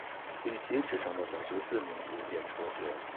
李琦只上到小学四年级便辍学。